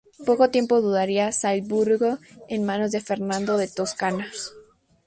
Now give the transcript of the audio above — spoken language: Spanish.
Poco tiempo duraría Salzburgo en manos de Fernando de Toscana.